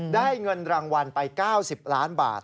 ได้เงินรางวัลไป๙๐ล้านบาท